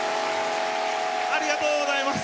ありがとうございます。